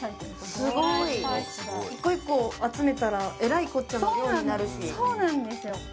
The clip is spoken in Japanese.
すごい１個１個集めたらえらいこっちゃの量になるしそうなんですよ